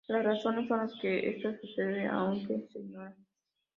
Las razones por las que esto sucede aún se ignoran.